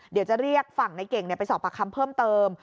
เดี๋ยวจะเรียกฝั่งในเก่งไปสอบปากคำเพิ่มเติม